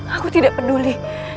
aku tidak peduli